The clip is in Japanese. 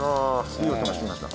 いい音がしました。